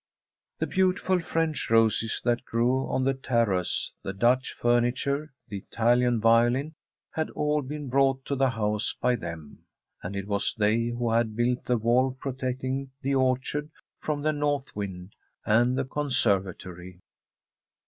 The beautiful French roses that erew on the terrace, the Dutch furniture, the Italian violin, had all been brought to the house by them. And it was they who had built the wall protecting the orchard from the north wind, and the conservatory.